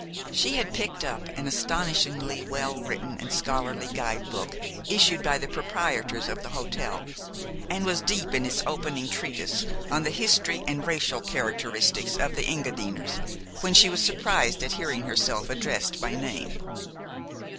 She had picked up an astonishingly well written and scholarly guide book issued by the proprietors of the hotel, and was deep in its opening treatise on the history and racial characteristics of the Engadiners, when she was surprised at hearing herself addressed by name.